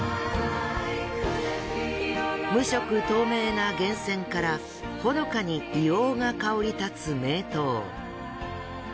無色透明な源泉からほのかに硫黄が香り立つ名湯。